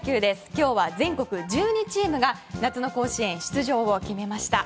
今日は全国１２チームが夏の甲子園出場を決めました。